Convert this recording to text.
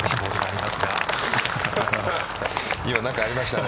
今何かありましたね。